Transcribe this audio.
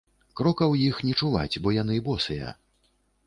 Крокаў іх не чуваць, бо яны босыя.